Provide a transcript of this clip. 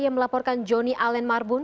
yang melaporkan joni allen marbun